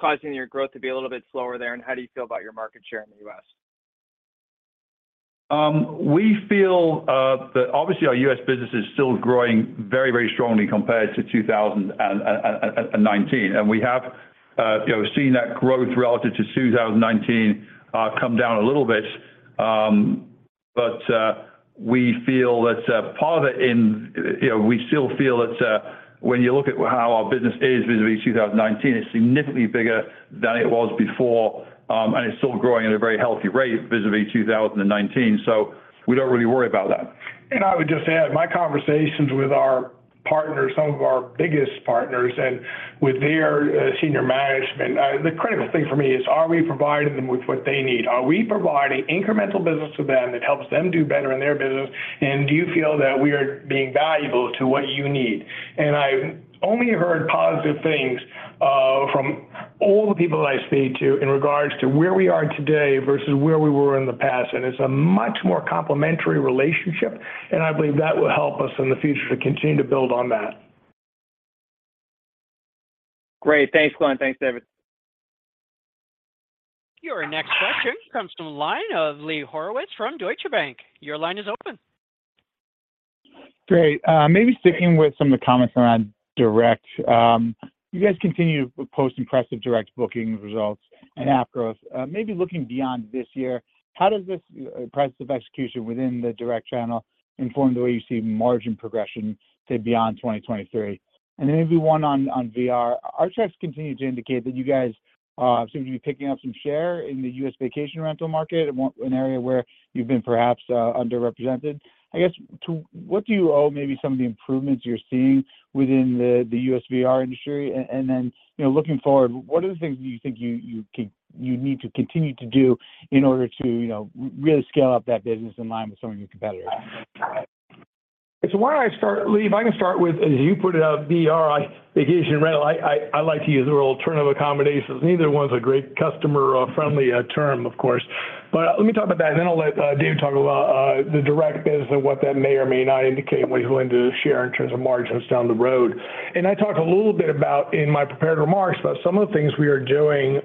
causing your growth to be a little bit slower there, and how do you feel about your market share in the U.S.? We feel that obviously our U.S. business is still growing very, very strongly compared to 2019. We have, you know, seen that growth relative to 2019, come down a little bit. We feel that part of it in, you know, we still feel it's when you look at how our business is vis-a-vis 2019, it's significantly bigger than it was before. It's still growing at a very healthy rate vis-a-vis 2019. We don't really worry about that. I would just add, my conversations with our partners, some of our biggest partners and with their senior management, the critical thing for me is, are we providing them with what they need? Are we providing incremental business to them that helps them do better in their business? Do you feel that we are being valuable to what you need? I've only heard positive things from all the people that I speak to in regards to where we are today versus where we were in the past, and it's a much more complimentary relationship, and I believe that will help us in the future to continue to build on that. Great. Thanks, Glenn. Thanks, David. Your next question comes from the line of Lee Horowitz from Deutsche Bank. Your line is open. Great. Maybe sticking with some of the comments around direct. You guys continue to post impressive direct booking results and app growth. Maybe looking beyond this year, how does this impressive execution within the direct channel inform the way you see margin progression say beyond 2023? Maybe one on VR. Our checks continue to indicate that you guys seem to be picking up some share in the US vacation rental market, an area where you've been perhaps underrepresented. I guess to what do you owe maybe some of the improvements you're seeing within the US VR industry? You know, looking forward, what are the things you think you need to continue to do in order to, you know, really scale up that business in line with some of your competitors? Why don't I start, Lee, if I can start with, as you put it, VR vacation rental, I like to use the alternative accommodations. Neither one's a great customer, friendly term of course. Let me talk about that, and then I'll let David talk about the direct business and what that may or may not indicate when he goes into the share in terms of margins down the road. I talked a little bit about, in my prepared remarks, about some of the things we are doing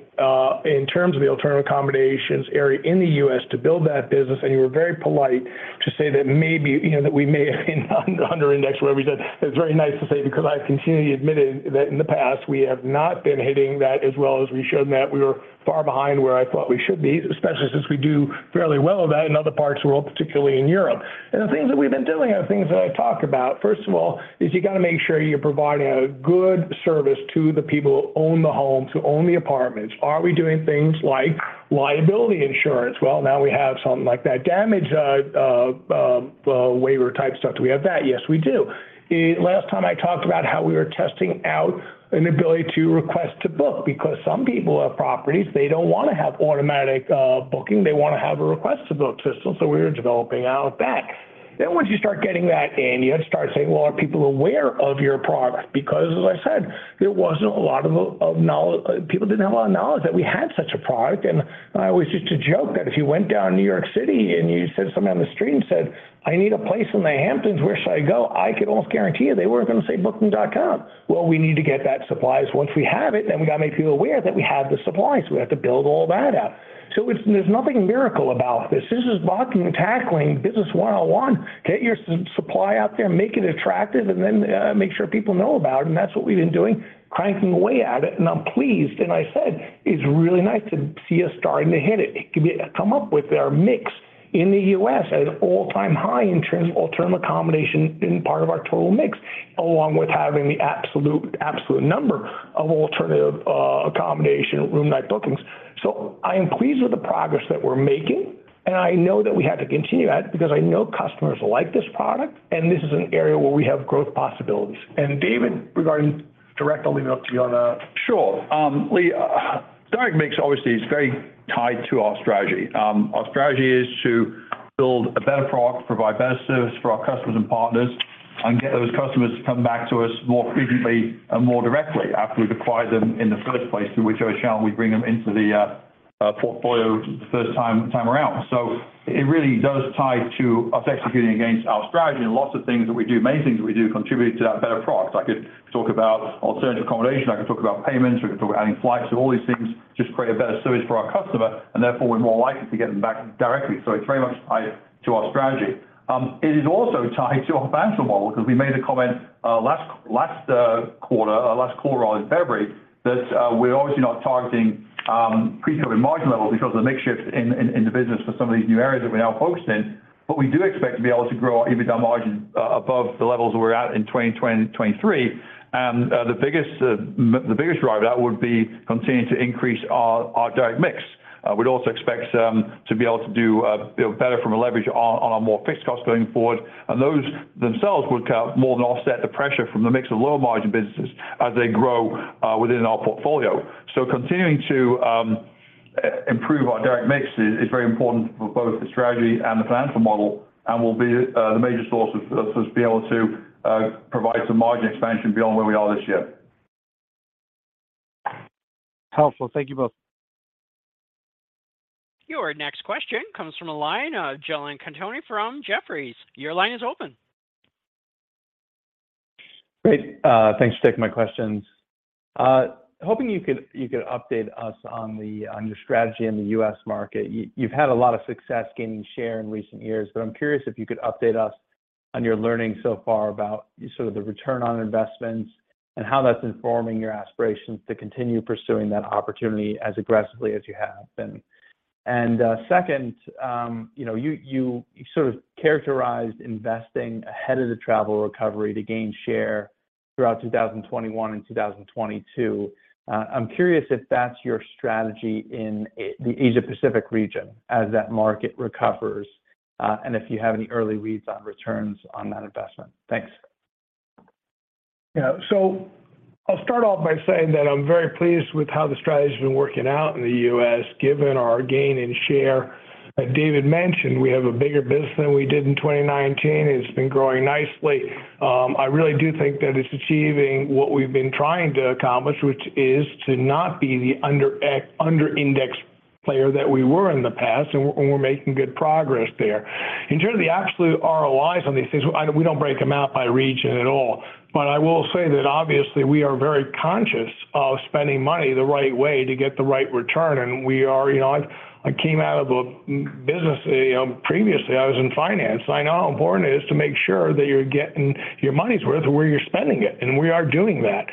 in terms of the alternative accommodations area in the U.S. to build that business, and you were very polite to say that maybe, you know, that we may have been under index where we said. It's very nice to say because I've continually admitted that in the past, we have not been hitting that as well as we showed, and that we were far behind where I thought we should be, especially since we do fairly well at that in other parts of the world, particularly in Europe. The things that we've been doing are things that I talk about. First of all is you gotta make sure you're providing a good service to the people who own the homes, who own the apartments. Are we doing things like liability insurance? Well, now we have something like that. Damage, waiver type stuff. Do we have that? Yes, we do. Last time I talked about how we were testing out an ability to request to book because some people have properties, they don't wanna have automatic, booking, they wanna have a request to book system, so we're developing out that. Once you start getting that in, you have to start saying, "Well, are people aware of your product?" Because as I said, there wasn't a lot of knowledge that we had such a product. I always used to joke that if you went down New York City and you said someone on the street and said, "I need a place in the Hamptons. Where should I go?" I could almost guarantee you they weren't gonna say Booking.com. Well, we need to get that supplies once we have it, then we gotta make people aware that we have the supplies. We have to build all that out. There's nothing miracle about this. This is blocking and tackling business one-on-one. Get your supply out there, make it attractive, and then, make sure people know about it, and that's what we've been doing, cranking away at it. I'm pleased, and I said it's really nice to see us starting to hit it. It could come up with our mix in the U.S. at an all-time high in terms of alternative accommodation in part of our total mix, along with having the absolute number of alternative accommodation room night bookings. I am pleased with the progress that we're making, and I know that we have to continue that because I know customers like this product, and this is an area where we have growth possibilities. David, regarding direct, I'll leave it up to you on. Sure. Lee, direct mix obviously is very tied to our strategy. Our strategy is to build a better product, provide better service for our customers and partners, and get those customers to come back to us more frequently and more directly after we've acquired them in the first place, through which I shall we bring them into the portfolio first time around. It really does tie to us executing against our strategy and lots of things that we do, many things that we do contribute to that better product. I could talk about alternative accommodation. I could talk about payments. We could talk adding flights. All these things just create a better service for our customer, and therefore we're more likely to get them back directly. It's very much tied to our strategy. It is also tied to our financial model because we made a comment last quarter on February that we're obviously not targeting pre-COVID margin levels because of the mix shift in the business for some of these new areas that we're now focused in. We do expect to be able to grow our EBITDA margin above the levels that we're at in 2023. The biggest driver of that would be continuing to increase our direct mix. We'd also expect some to be able to do, you know, better from a leverage on our more fixed costs going forward, and those themselves would more than offset the pressure from the mix of low margin businesses as they grow within our portfolio. Continuing to improve our direct mix is very important for both the strategy and the financial model and will be the major source of, for us to be able to provide some margin expansion beyond where we are this year. Helpful. Thank you both. Your next question comes from the line of John Colantuoni from Jefferies. Your line is open. Great. Thanks for taking my questions. Hoping you could update us on your strategy in the U.S. market. You've had a lot of success gaining share in recent years, but I'm curious if you could update us on your learning so far about sort of the return on investments and how that's informing your aspirations to continue pursuing that opportunity as aggressively as you have been. Second, you know, you sort of characterized investing ahead of the travel recovery to gain share throughout 2021 and 2022. I'm curious if that's your strategy in the Asia Pacific region as that market recovers, and if you have any early reads on returns on that investment. Thanks. I'll start off by saying that I'm very pleased with how the strategy's been working out in the U.S., given our gain in share. As David mentioned, we have a bigger business than we did in 2019. It's been growing nicely. I really do think that it's achieving what we've been trying to accomplish, which is to not be the under indexed player that we were in the past, and we're making good progress there. In terms of the absolute ROIs on these things, We don't break them out by region at all. I will say that obviously we are very conscious of spending money the right way to get the right return, and we are... You know, I came out of a business, you know, previously, I was in finance. I know how important it is to make sure that you're getting your money's worth where you're spending it. We are doing that.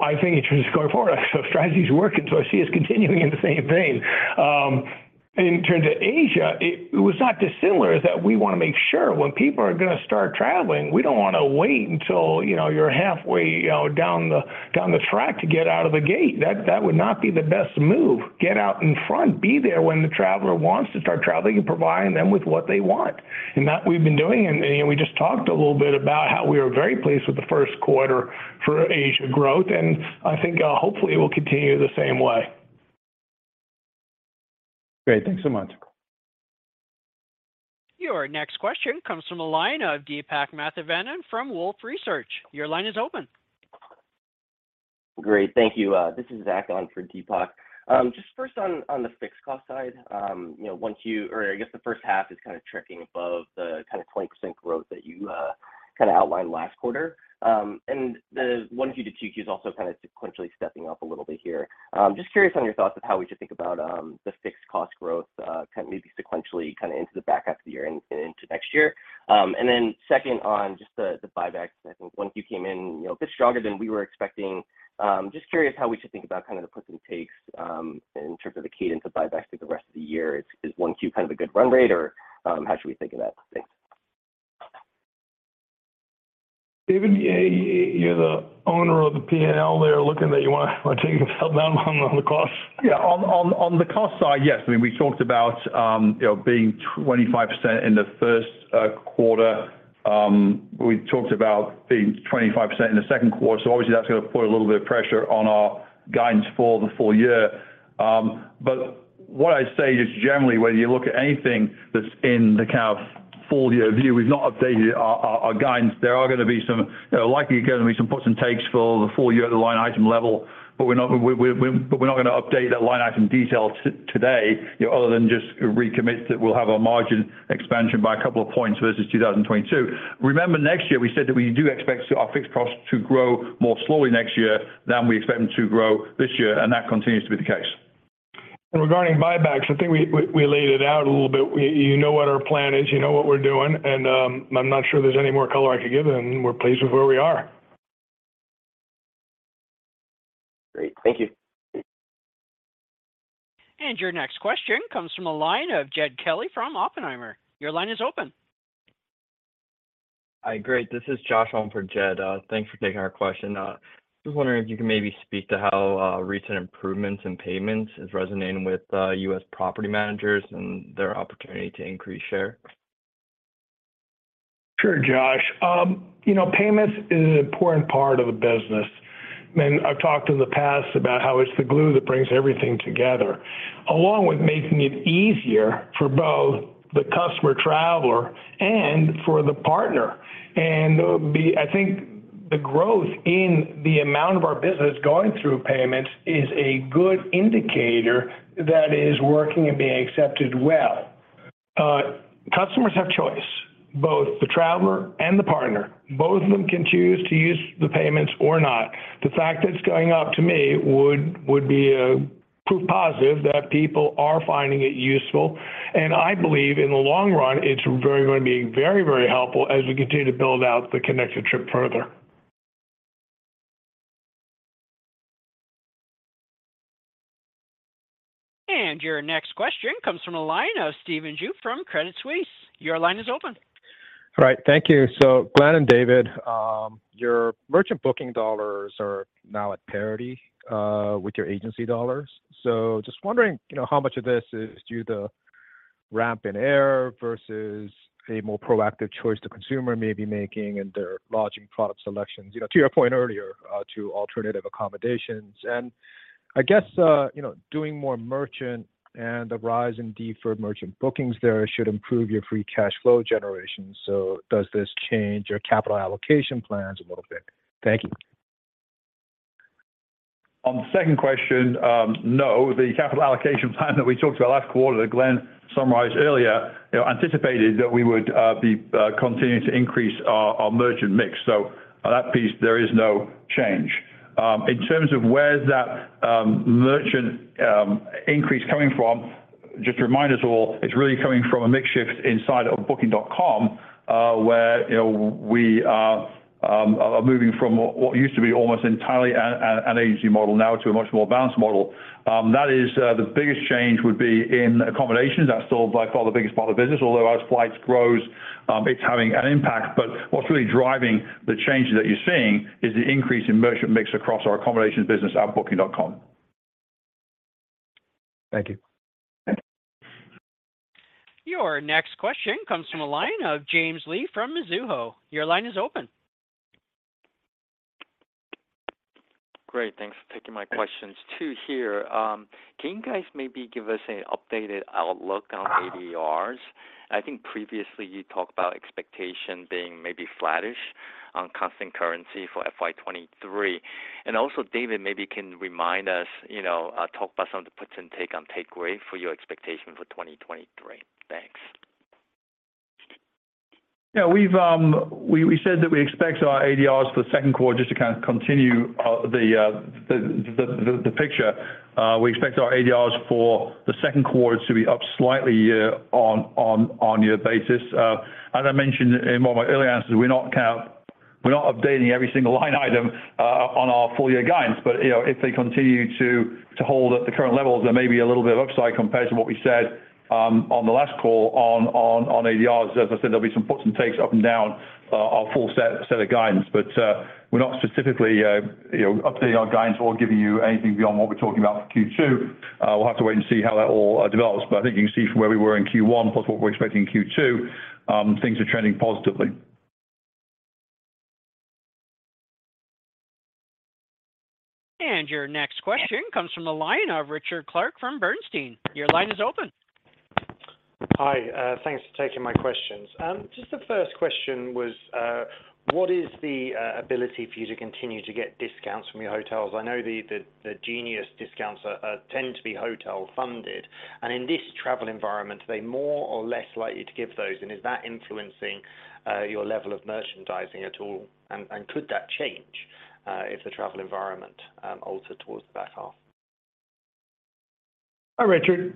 I think in terms of going forward, our strategy's working, so I see us continuing in the same vein. In terms of Asia, it was not dissimilar that we wanna make sure when people are gonna start traveling, we don't wanna wait until, you know, you're halfway, you know, down the, down the track to get out of the gate. That would not be the best move. Get out in front. Be there when the traveler wants to start traveling and providing them with what they want. That we've been doing, and we just talked a little bit about how we were very pleased with the first quarter for Asia growth, and I think, hopefully it will continue the same way. Great. Thanks so much. Your next question comes from the line of Deepak Mathivanan from Wolfe Research. Your line is open. Great. Thank you. This is Zach on for Deepak. Just first on the fixed cost side, you know, I guess the first half is kind of tricking above the kind of 20% growth that you kind of outlined last quarter. One, two to two Qs also kind of sequentially stepping up a little bit here. Just curious on your thoughts of how we should think about the fixed cost growth kind of maybe sequentially kind of into the back half of the year and into next year. Second on just the buyback. I think once you came in, you know, a bit stronger than we were expecting. Just curious how we should think about kind of the puts and takes in terms of the cadence of buybacks through the rest of the year. Is one Q kind of a good run rate, or, how should we think of that? Thanks. David, yeah, you're the owner of the P&L there. Looking that you wanna take yourself down on the costs. Yeah. On the cost side, yes. I mean, we talked about, you know, being 25% in the 1st quarter. We talked about being 25% in the 2nd quarter, obviously that's going to put a little bit of pressure on our guidance for the full year. What I'd say just generally, whether you look at anything that's in the kind of full year view, we've not updated our guidance. There are going to be some, you know, likely going to be some puts and takes for the full year at the line item level, we're not going to update that line item detail today, you know, other than just recommit that we'll have our margin expansion by a couple of points versus 2022. Remember next year we said that we do expect our fixed costs to grow more slowly next year than we expect them to grow this year. That continues to be the case. Regarding buybacks, I think we laid it out a little bit. You know what our plan is, you know what we're doing, and I'm not sure there's any more color I could give. We're pleased with where we are. Great. Thank you. Your next question comes from the line of Jed Kelly from Oppenheimer. Your line is open. Hi. Great. This is Josh on for Jed. Thanks for taking our question. Just wondering if you can maybe speak to how recent improvements in payments is resonating with U.S. property managers and their opportunity to increase share? Sure, Josh. you know, payments is an important part of the business, and I've talked in the past about how it's the glue that brings everything together, along with making it easier for both the customer traveler and for the partner. The, I think the growth in the amount of our business going through payments is a good indicator that is working and being accepted well. Customers have choice, both the traveler and the partner. Both of them can choose to use the payments or not. The fact that it's going up, to me, would be a proof positive that people are finding it useful. I believe in the long run, it's very gonna be very, very helpful as we continue to build out the Connected Trip further. Your next question comes from a line of Stephen Ju from Credit Suisse. Your line is open. All right. Thank you. Glenn and David, your merchant booking dollars are now at parity with your agency dollars. Just wondering, you know, how much of this is due to ramp in air versus a more proactive choice the consumer may be making in their lodging product selections, you know, to your point earlier, to alternative accommodations. I guess, you know, doing more merchant and the rise in deferred merchant bookings there should improve your free cash flow generation. Does this change your capital allocation plans a little bit? Thank you. On the second question, no. The capital allocation plan that we talked about last quarter that Glenn Fogel summarized earlier, you know, anticipated that we would be continuing to increase our merchant mix. On that piece, there is no change. In terms of where that merchant increase coming from, just to remind us all, it's really coming from a mix shift inside of Booking.com, where, you know, we are moving from what used to be almost entirely an agency model now to a much more balanced model. That is the biggest change would be in accommodations. That's still by far the biggest part of the business, although as flights grows, it's having an impact. What's really driving the change that you're seeing is the increase in merchant mix across our accommodations business at Booking.com. Thank you. Okay. Your next question comes from a line of James Lee from Mizuho. Your line is open. Great. Thanks for taking my questions. 2 here. Can you guys maybe give us an updated outlook on ADRs? I think previously you talked about expectation being maybe flattish on constant currency for FY 2023. Also David, maybe can remind us, you know, talk about some of the puts and take on takeaway for your expectation for 2023. Thanks. We've said that we expect our ADRs for the second quarter just to kind of continue the picture. We expect our ADRs for the second quarter to be up slightly year-on-year basis. As I mentioned in one of my early answers, we're not updating every single line item on our full year guidance. You know, if they continue to hold at the current levels, there may be a little bit of upside compared to what we said on the last call on ADRs. As I said, there'll be some puts and takes up and down our full set of guidance. We're not specifically, you know, updating our guidance or giving you anything beyond what we're talking about for Q2. We'll have to wait and see how that all develops. I think you can see from where we were in Q1 plus what we're expecting in Q2, things are trending positively. Your next question comes from the line of Richard J. Clarke from Bernstein. Your line is open. Hi, thanks for taking my questions. Just the first question was, what is the ability for you to continue to get discounts from your hotels? I know the Genius discounts tend to be hotel funded, and in this travel environment, are they more or less likely to give those, and is that influencing your level of merchandising at all, and could that change if the travel environment altered towards the back half? Hi, Richard.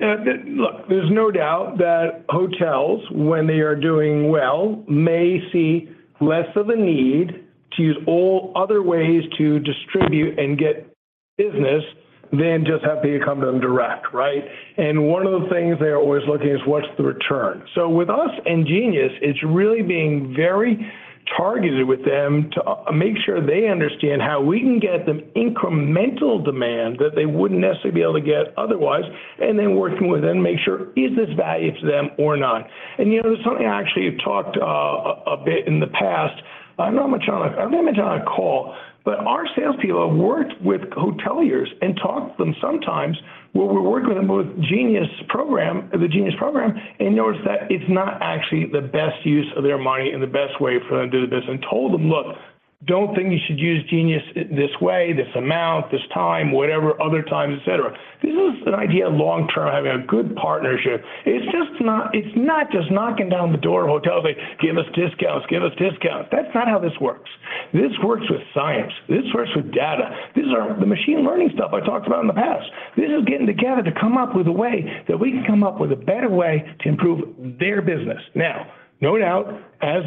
look, there's no doubt that hotels, when they are doing well, may see less of a need to use all other ways to distribute and get business than just having to come to them direct, right? One of the things they are always looking is what's the return. So with us and Genius, it's really being very targeted with them to make sure they understand how we can get them incremental demand that they wouldn't necessarily be able to get otherwise, and then working with them, make sure is this value to them or not. You know, there's something I actually have talked a bit in the past. I know I'm not sure. I remember it on a call, but our sales people have worked with hoteliers and talked to them sometimes where we're working with the Genius program, and noticed that it's not actually the best use of their money and the best way for them to do the business. Told them, "Look, don't think you should use Genius this way, this amount, this time, whatever other times, et cetera." This is an idea of long-term, having a good partnership. It's not just knocking down the door of hotels, saying, "Give us discounts." That's not how this works. This works with science. This works with data. These are the machine learning stuff I talked about in the past. This is getting together to come up with a way that we can come up with a better way to improve their business. No doubt, as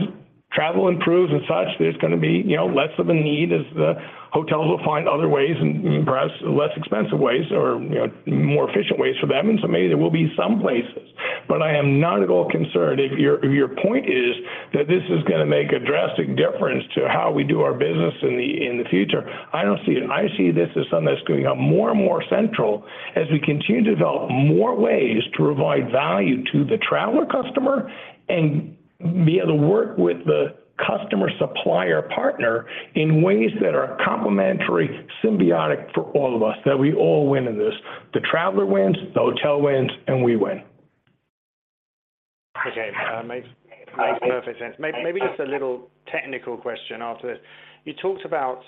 travel improves and such, there's gonna be, you know, less of a need as the hotels will find other ways and perhaps less expensive ways or, you know, more efficient ways for them. Maybe there will be some places, but I am not at all concerned. If your point is that this is gonna make a drastic difference to how we do our business in the future, I don't see it. I see this as something that's going more and more central as we continue to develop more ways to provide value to the traveler customer and be able to work with the customer supplier partner in ways that are complementary, symbiotic for all of us, that we all win in this. The traveler wins, the hotel wins, and we win. Okay. Makes perfect sense. Maybe just a little technical question after this. You talked about,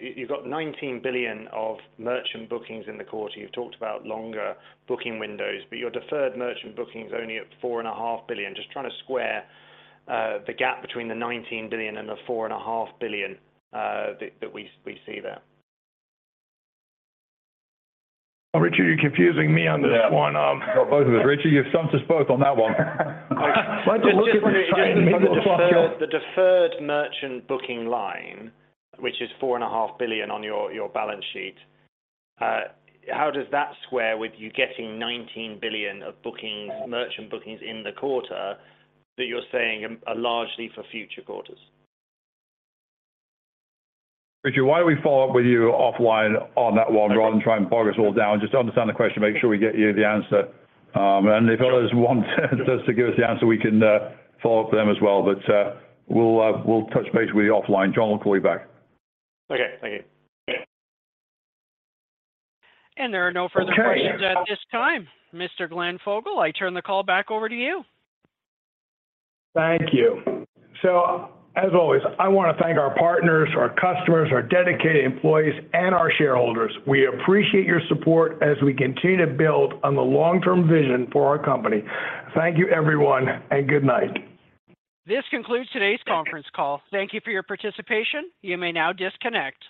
you've got $19 billion of merchant bookings in the quarter. You've talked about longer booking windows, but your deferred merchant bookings only at $4.5 billion. Just trying to square the gap between the $19 billion and the $4.5 billion that we see there. Richard, you're confusing me on this one. Yeah. You got both of us, Richard. You've stumped us both on that one. Michael, Just the deferred merchant booking line, which is $4.5 billion on your balance sheet, how does that square with you getting $19 billion of bookings, merchant bookings in the quarter that you're saying are largely for future quarters? Richard, why don't we follow up with you offline on that one rather than try and bog us all down. Just to understand the question, make sure we get you the answer. If others want us to give us the answer, we can follow up with them as well. We'll touch base with you offline. John will call you back. Okay. Thank you. There are no further questions at this time. Mr. Glenn Fogel, I turn the call back over to you. Thank you. As always, I wanna thank our partners, our customers, our dedicated employees, and our shareholders. We appreciate your support as we continue to build on the long-term vision for our company. Thank you everyone, and good night. This concludes today's conference call. Thank you for your participation. You may now disconnect.